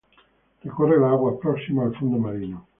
Recorre las aguas próximas al fondo marino.